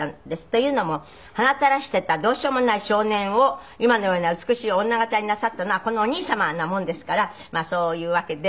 というのも鼻垂らしていたどうしようもない少年を今のような美しい女形になさったのはこのお兄様なもんですからそういうわけで。